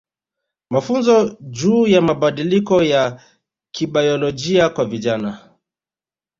Mafunzo juu ya mabadiliko ya kibayolojia kwa vijana